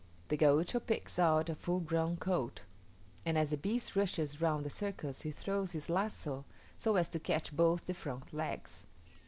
The Gaucho picks out a full grown colt; and as the beast rushes round the circus he throws his lazo so as to catch both the front legs.